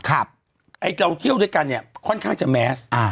ไอ้เราเที่ยวด้วยกันเนี่ยค่อนข้างจะแมส